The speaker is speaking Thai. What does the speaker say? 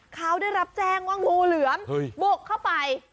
เขาได้รับแจ้งว่างูเหลือมบุกเข้าไป